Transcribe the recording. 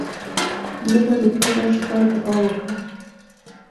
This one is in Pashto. مړه ته د پټه شپه دعا وکړه